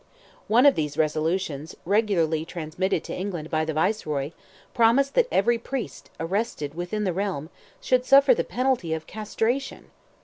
One of these resolutions, regularly transmitted to England by the Viceroy proposed that every priest, arrested within the realm, should suffer the penalty of castration!